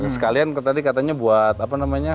sekalian tadi katanya buat apa namanya